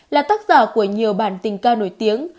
là tác giả của nhiều bản tình ca nổi tiếng